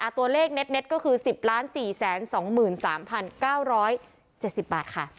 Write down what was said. อ่ะตัวเลขเน็ตเน็ตก็คือสิบล้านสี่แสนสองหมื่นสามพันเก้าร้อยเจ็ดสิบบาทค่ะ